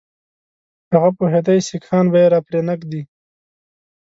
هغه پوهېدی سیکهان به یې را پرې نه ږدي.